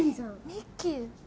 ミッキー。